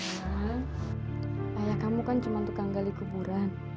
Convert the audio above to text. soal ayah kamu kan cuma tukang gali kuburan